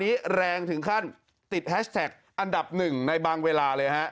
นี้แรงถึงขั้นติดแฮชแท็กอันดับหนึ่งในบางเวลาเลยฮะ